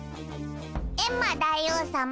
エンマ大王さま。